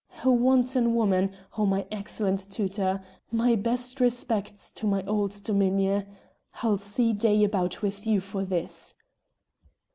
"A wanton woman! Oh, my excellent tutor! My best respects to my old dominie! I'll see day about with you for this!"